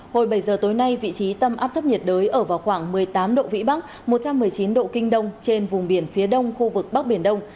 hồi bảy giờ tối nay vị trí tâm áp thấp nhiệt đới ở vào khoảng một mươi tám độ vĩ bắc một trăm một mươi chín độ kinh đông trên vùng biển phía đông khu vực bắc biển đông